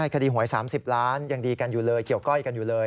คดีหวย๓๐ล้านยังดีกันอยู่เลยเกี่ยวก้อยกันอยู่เลย